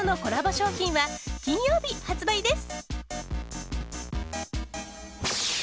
商品は金曜日発売です。